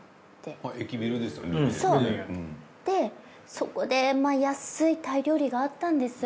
そこで安いタイ料理があったんです